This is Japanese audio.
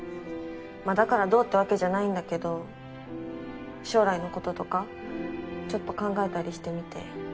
だからどうってわけじゃないんだけど将来のこととかちょっと考えたりしてみて。